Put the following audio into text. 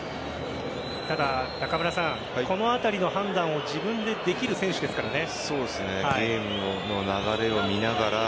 ただ、中村さんこのあたりの判断を自分でできる選手ですからね。